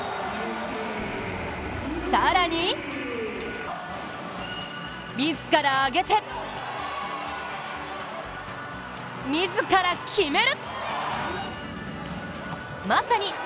更に自ら上げて、自ら決める。